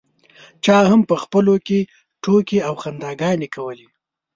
چا هم په خپلو کې ټوکې او خنداګانې کولې.